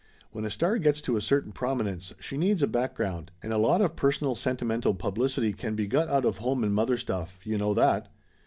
"When a star gets to a certain prominence she needs a back ground, and a lot of personal sentimental publicity can be got out of home and mother stuff you know that